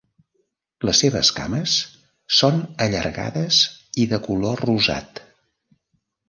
Les seves cames són allargades i de color rosat.